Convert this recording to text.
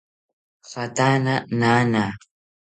Jatana nana